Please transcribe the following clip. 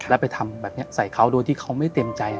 แล้วไปทำแบบนี้ใส่เขาโดยที่เขาไม่เต็มใจ